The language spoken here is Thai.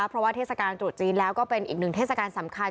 เพราะว่าเทศกาลตรุษจีนแล้วก็เป็นอีกหนึ่งเทศกาลสำคัญ